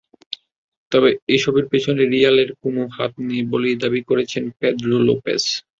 তবে এসবের পেছনে রিয়ালের কোনো হাত নেই বলেই দাবি করেছেন পেদ্রো লোপেজ।